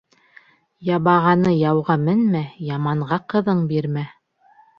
Ябағаны яуға менмә, яманға ҡыҙың бирмә.